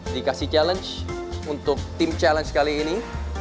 dikasih challenge untuk tim challenge kali ini